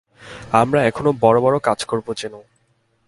আমরা এখনও বড় বড় কাজ করব, জেনো।